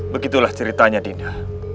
begitulah ceritanya dinda